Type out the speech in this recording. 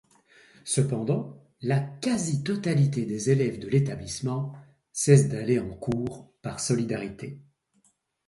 Cependant, la quasi-totalité des élèves de l'établissement cesse d'aller en cours par solidarité.